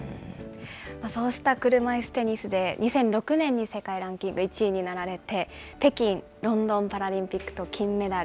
そうした車いすテニスで、２００６年に世界ランキング１位になられて、北京、ロンドンパラリンピックと金メダル。